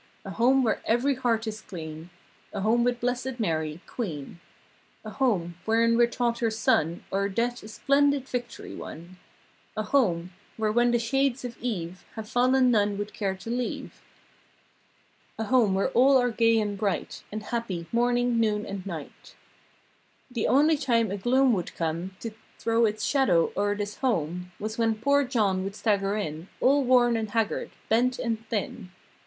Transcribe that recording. A home where every heart is clean. A home with Blessed Mary, queen. A home, wherein we're taught her Son O'er Death a splendid victory won. A home, where, when the shades of eve Have fallen none would care to leave. A home where all are gay and bright And happy, morning, noon and night. The only time a gloom would come To throw it's shadow o'er this home Was when poor John would stagger in All worn and haggard; bent and thin.